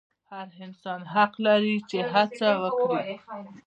هر انسان حق لري چې هڅه وکړي.